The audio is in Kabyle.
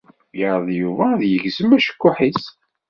Yeɛreḍ Yuba ad yegzem acekkuḥ-is.